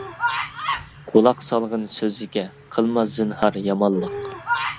قۇلاق سالغىن سۆزىگە، قىلما زىنھار يامانلىق.